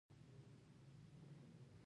د ټولنې تدین تللای شي.